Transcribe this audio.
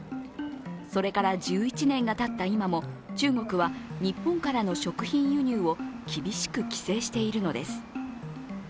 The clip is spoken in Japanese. それから１１年がたった今も中国は日本からの食品輸入を厳しく規制しているのです。